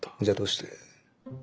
じゃあどうして。